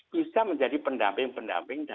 bisa menjadi pendamping pendamping